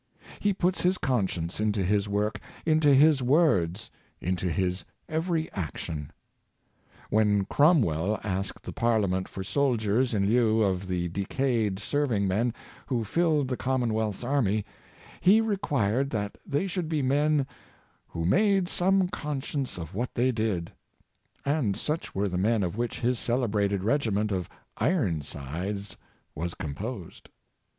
He puts his conscience into his work, into his words, into his every action. When Cromwell asked the Parliament for soldiers in lieu of the decayed serving men, who filled the Commonwealth's army, he required that they should be men " who made some conscience of what they did;" and such were the men of which his celebrated regi ment of" Ironsides" was composed.